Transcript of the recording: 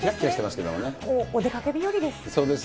お出かけ日和です。